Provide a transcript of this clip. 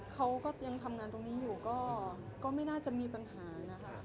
เขาก็เตรียมทำงานตรงนี้อยู่ก็ไม่น่าจะมีปัญหานะคะ